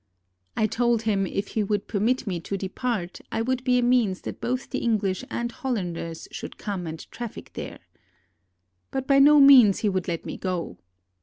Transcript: I told him if he would permit me to depart, I would be a means that both the English and Hollanders should come and traffic there. But by no means he would let me go.